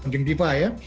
mungkin diva ya